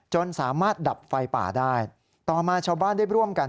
จนสามารถดับไฟป่าได้ต่อมาชาวบ้านได้ร่วมกัน